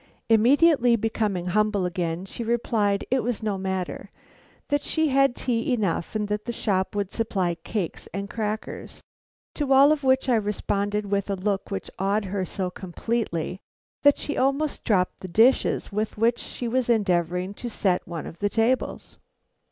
Immediately becoming humble again, she replied it was no matter, that she had tea enough and that the shop would supply cakes and crackers; to all of which I responded with a look which awed her so completely that she almost dropped the dishes with which she was endeavoring to set one of the tables.